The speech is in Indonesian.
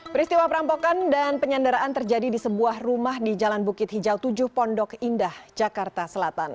peristiwa perampokan dan penyanderaan terjadi di sebuah rumah di jalan bukit hijau tujuh pondok indah jakarta selatan